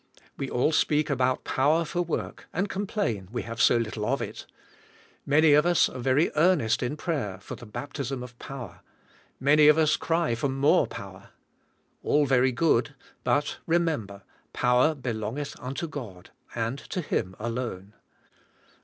We all speak about power for work and complain we have so little of it. Many of us are very earnest in prayer for the baptism of power; many of us cry for more power. All very good, but remember, "power belongeth unto God," and to Him alone.